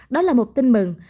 đó là một tin mừng